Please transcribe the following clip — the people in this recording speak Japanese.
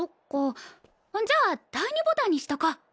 じゃあ第２ボタンにしとこ。